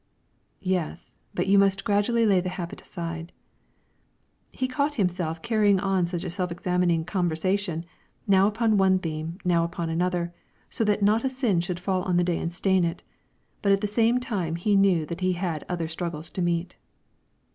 "Yes, but you must gradually lay the habit aside." He caught himself carrying on such a self examining conversation, now upon one theme, now upon another, so that not a sin should fall on the day and stain it; but at the same time he knew that he had other struggles to meet.